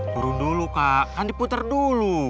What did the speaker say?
turun dulu kak kan diputer dulu